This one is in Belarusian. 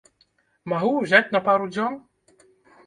Магу ўзяць на пару дзён?